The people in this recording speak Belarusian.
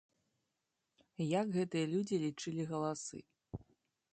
Як гэтыя людзі лічылі галасы?